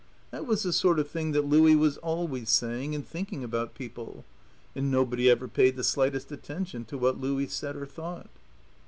That was the sort of thing that Louie was always saying and thinking about people, and nobody ever paid the slightest attention to what Louie said or thought.